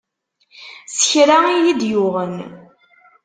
S kra i d iyi-yuɣen.